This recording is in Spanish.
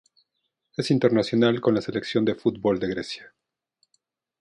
Es internacional con la selección de fútbol de Grecia.